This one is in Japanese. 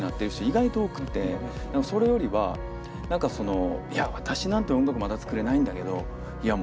意外と多くてそれよりは何かその「いや私なんて音楽まだ作れないんだけどいや